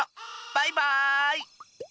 バイバーイ！